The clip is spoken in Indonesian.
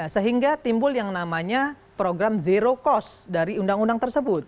sehingga timbul yang namanya program zero cost dari undang undang tersebut